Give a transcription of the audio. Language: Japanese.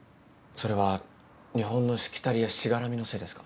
それは日本のしきたりやしがらみのせいですか？